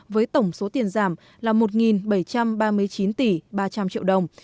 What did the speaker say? với tổng số tiền giảm là một bảy trăm ba mươi chín tỷ ba trăm linh triệu đồng